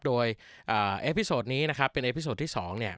โดยเอพิโซดนี้นะครับเป็นเอพิโซดที่๒เนี่ย